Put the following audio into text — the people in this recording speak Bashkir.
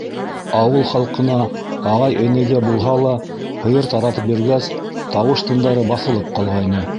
Ауыл халҡына, ағай-энегә булһа ла, һыйыр таратып биргәс, тауыш-тындары баҫылып ҡалғайны.